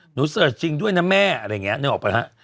เสิร์ชจริงด้วยนะแม่อะไรอย่างนี้นึกออกปะฮะ